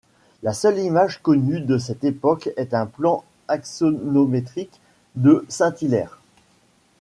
La seule image connue de cette époque est un plan axonométrique de Saint-Hilaire.